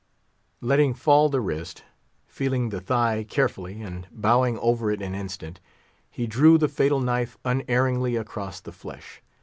_" Letting fall the wrist, feeling the thigh carefully, and bowing over it an instant, he drew the fatal knife unerringly across the flesh.